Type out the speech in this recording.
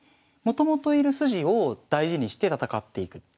もともと居る筋を大事にして戦っていく。